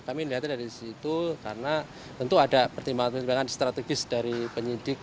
kami melihatnya dari sisi itu karena tentu ada pertimbangan strategis dari penyidik